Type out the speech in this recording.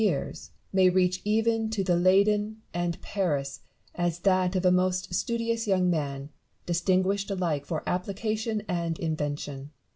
years, may reach even to Leyden and Paris, as that of a most studious young man, distinguished alike for application and invention. Neviton.